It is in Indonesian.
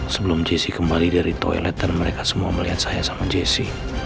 sebelum jessi kembali dari toilet dan mereka semua melihat saya sama jesse